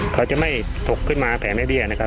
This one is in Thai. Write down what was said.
เขาจะไม่ถกขึ้นมาแผลแม่เบี้ยนะครับ